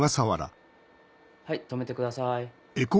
はい止めてください。